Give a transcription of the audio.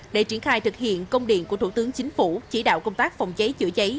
để triển khai thực hiện công điện của thủ tướng chính phủ chỉ đạo công tác phòng cháy chữa cháy